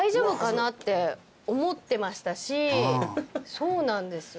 そうなんですよ。